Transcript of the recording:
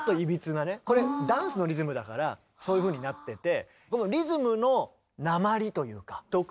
これダンスのリズムだからそういうふうになってて。